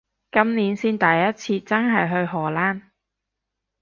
今年先第一次真係去荷蘭